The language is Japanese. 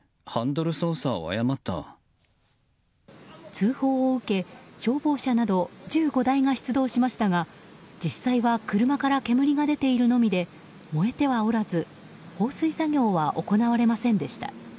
通報を受け、消防車など１５台が出動しましたが実際は車から煙が出ているのみで燃えてはおらず放水作業は行われませんでした。